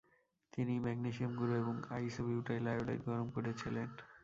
তিনি ম্যাগনেসিয়াম গুঁড়ো এবং আইসোবিউটাইল আয়োডাইড গরম করেছিলেন।